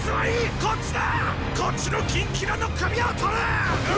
こっちのキンキラの首をとれっ！